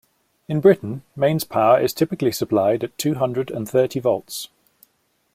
In Britain, mains power is typically supplied at two hundred and thirty volts